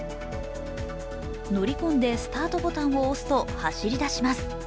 乗り込んでスタートボタンを押すと走り出します。